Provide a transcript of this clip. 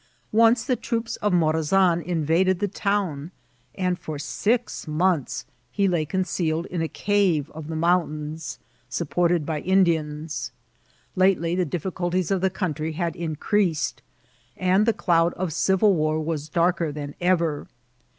Once the troops of Morazan invaded the town, and for six months he lay concealed in a eave of the mountains^ supported by Indiansw Lately the difficulties of the country had ini» creased, and the cloud of civil war was darker diaa ever.